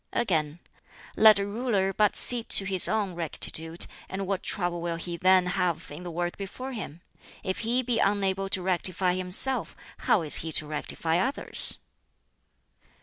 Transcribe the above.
Again, "Let a ruler but see to his own rectitude, and what trouble will he then have in the work before him? If he be unable to rectify himself, how is he to rectify others?"